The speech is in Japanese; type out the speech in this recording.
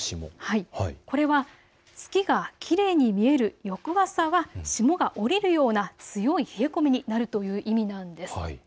これは月がきれいに見える翌朝は霜が降りるような強い冷え込みになるという意味なんです。